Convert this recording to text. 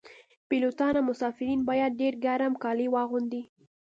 پیلوټان او مسافرین باید ډیر ګرم کالي واغوندي